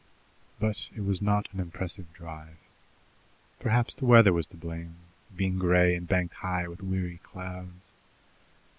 But it was not an impressive drive. Perhaps the weather was to blame, being grey and banked high with weary clouds.